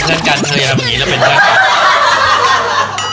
เธออย่าทำแบบนี้เราเป็นเพื่อนกัน